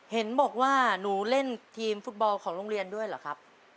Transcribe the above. เห็นบอกว่าหนูเล่นทีมฟุตบอลของโรงเรียนด้วยเหรอครับ